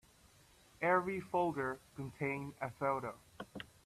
Every folder contained a photo.